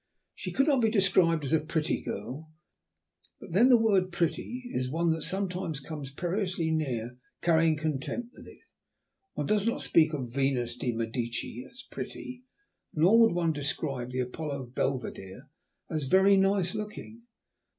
She could not be described as a pretty girl, but then the word "pretty" is one that sometimes comes perilously near carrying contempt with it; one does not speak of Venus de Medici as pretty, nor would one describe the Apollo Belvedere as very nice looking.